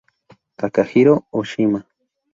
Takahiro Oshima